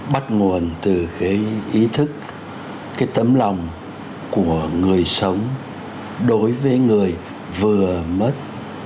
bắt nguồn từ cái ý thức cái tấm lòng của người sống đối với người vừa mất